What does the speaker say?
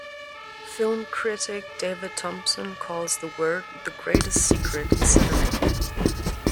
Film critic David Thomson calls the word the greatest secret in cinema.